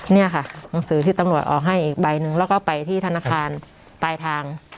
เนี่ยค่ะหนังสือที่ตำรวจออกให้อีกใบหนึ่งแล้วก็ไปที่ธนาคารปลายทาง